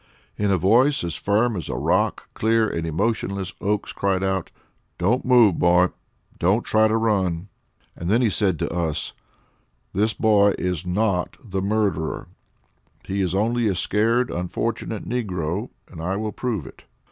In a voice as firm as a rock, clear and emotionless, Oakes cried out: "Don't move, boy! Don't try to run." And then he said to us: "This boy is not the murderer; he is only a scared, unfortunate negro, and I will prove it."